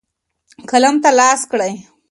قلم ته لاس کړئ.